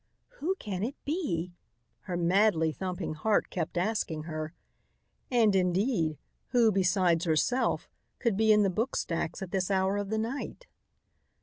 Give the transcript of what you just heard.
"Who can it be?" her madly thumping heart kept asking her. And, indeed, who, besides herself, could be in the book stacks at this hour of the night?